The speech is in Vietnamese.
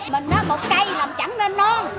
mình một cây làm chẳng nên non